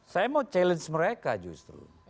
saya mau challenge mereka justru